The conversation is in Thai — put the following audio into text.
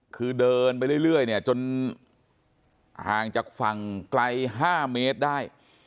คือเดินไปเรื่อยเนี่ยจนห่างจากฝั่งไกล๕เมตรได้